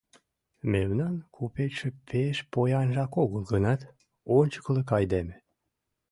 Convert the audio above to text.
Мемнан купечше пеш поянжак огыл гынат, ончыкылык айдеме.